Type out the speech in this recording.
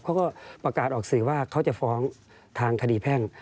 เขาก็ประกาศออกสื่อว่าเขาจะฟ้องทางคดีแพ่ง